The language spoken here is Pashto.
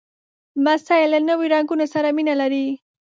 لمسی له نوي رنګونو سره مینه لري.